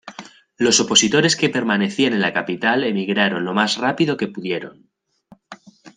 Los opositores que permanecían en la capital emigraron lo más rápido que pudieron.